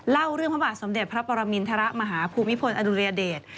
เล่าเรื่องภาพบาทสมเด็จพระปรมิณฑระมหาภูมิพลอดุลีอเดส